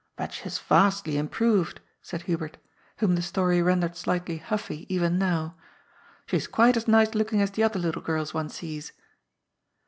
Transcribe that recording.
" But she has vastly improved," said Hubert, whom the story rendered slightly huffy even now. " She is quite as nice looking as the other little girls one sees."